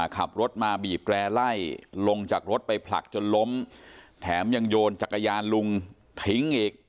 ขับรถมาบีบแร่ไล่ลงจากรถไปผลักจนล้มแถมยังโยนจักรยานลุงทิ้งอีก